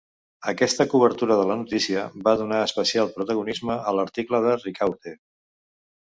Aquesta cobertura de la notícia va donar especial protagonisme a l'article de Ricaurte.